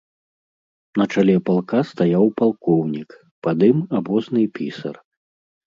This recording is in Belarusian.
На чале палка стаяў палкоўнік, пад ім абозны і пісар.